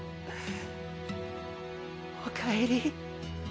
おかえり。